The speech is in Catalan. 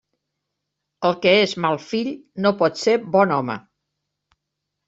El que és mal fill no pot ser bon home.